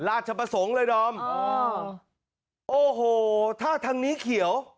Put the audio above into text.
ราชประสงค์เลยดอมอ๋อโอ้โหถ้าทางนี้เขียว